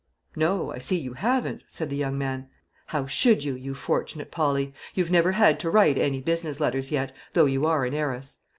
"No, I see you haven't," said the young man. "How should you, you fortunate Polly? You've never had to write any business letters yet, though you are an heiress.